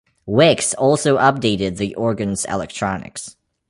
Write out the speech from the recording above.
Wicks also updated the organ's electronics.